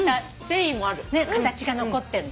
形が残ってんの。